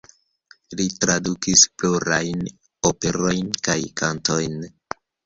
Li tradukis plurajn operojn kaj kantojn.